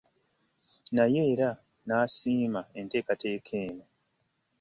Naye era n'asiima enteekateeka eno.